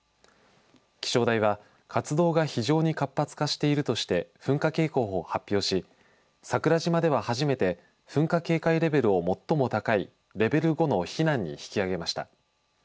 気象台は活動が非常に活発化しているとして噴火警報を発表し桜島では初めて噴火警戒レベルを最も高いレベル５の避難に引き上げました。